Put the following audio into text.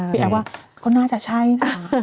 พี่แอ๊บว่าก็น่าจะใช่นะ